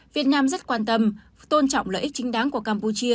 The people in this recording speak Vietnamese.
việt nam rất quan tâm tôn trọng lợi ích chính đáng của campuchia